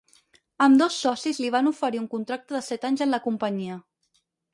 Ambdós socis li van oferir un contracte de set anys en la companyia.